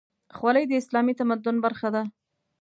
خولۍ د اسلامي تمدن برخه ده.